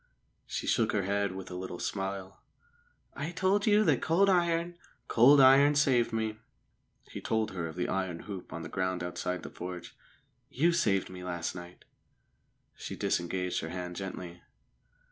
She shook her head with a little smile. "I told you that cold iron " "Cold iron saved me." He told her of the iron hoop on the ground outside the forge. "You saved me last night." She disengaged her hand gently.